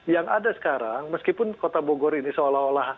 yang ada sekarang meskipun kota bogor ini seolah olah